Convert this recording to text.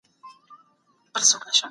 هر څوک حق لري چي د خوښې کتاب ولولي.